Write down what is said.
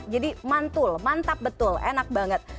jadi mantul mantap betul enak banget